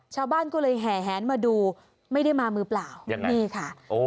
ชาวบ้านก็เลยแห่แหนมาดูไม่ได้มามือเปล่านี่ค่ะ